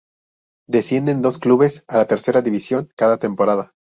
Descienden dos clubes a la Tercera División cada temporada.